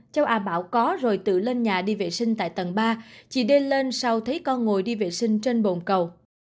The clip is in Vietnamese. châu a bảo có rồi tự lên nhà đi vệ sinh tại tầng ba chị đi lên sau thấy con ngồi đi vệ sinh trên bồn cầu